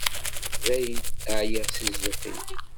Dayen, εyiɣ si zzux-im.